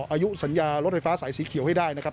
อายุสัญญารถไฟฟ้าสายสีเขียวให้ได้นะครับ